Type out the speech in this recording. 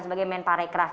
sebagai men pare keras